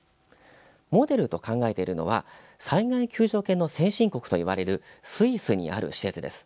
モデルと考えているのは災害救助犬の先進国といわれるスイスにある施設です。